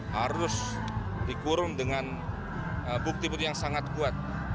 harus dikurung dengan bukti bukti yang sangat kuat